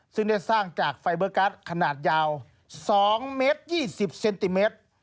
ซึ่งได้สร้างจากไฟเบอร์การ์ดขนาดยาว๒เมตร๒๐เซนติเมตร